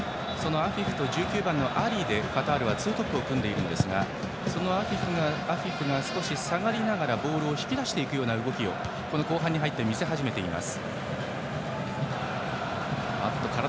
アフィフと１９番のアリでカタールはツートップを組んでいるんですがそのアフィフが少し下がりながらボールを引き出す動きを後半に入って見せています。